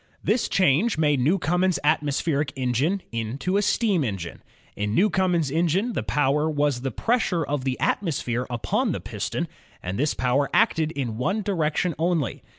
This change made Newcomen's atmospheric engine into a steam engine. In Newcomen's engine the power was the pressure of the atmosphere upon the piston, and this power acted in one direction only.